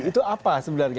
itu apa sebenarnya